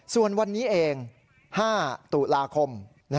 ส่วนวันนี้เอง๕ตุลาคม